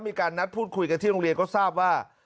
มีการนัดพูดคุยกันที่โรงเรียนก็ทราบว่า